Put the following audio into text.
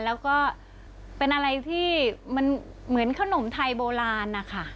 แล้วก็เป็นอะไรที่มันเหมือนขนมไทยโบราณนะคะ